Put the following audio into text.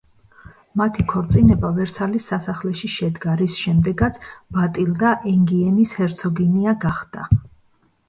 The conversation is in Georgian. მათი ქორწინება ვერსალის სასახლეში შედგა, რის შემდეგაც ბატილდა ენგიენის ჰერცოგინია გახდა.